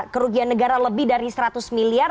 kerugian negara lebih dari seratus miliar